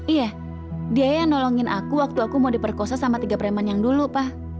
iya dia yang nolongin aku waktu aku mau diperkosa sama tiga preman yang dulu pak